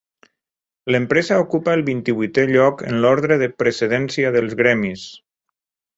L'empresa ocupa el vint-i-vuitè lloc en l'ordre de precedència dels gremis.